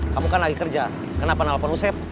kamu kan lagi kerja kenapa nelpon usep